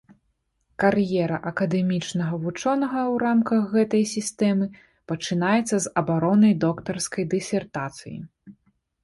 Кар'ера акадэмічнага вучонага ў рамках гэтай сістэмы пачынаецца з абароны доктарскай дысертацыі.